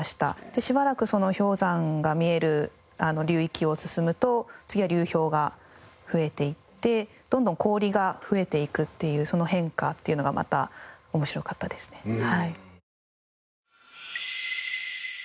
しばらくその氷山が見える流域を進むと次は流氷が増えていってどんどん氷が増えていくっていうその変化っていうのがまた面白かったですねはい。